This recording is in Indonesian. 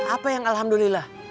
apa yang alhamdulillah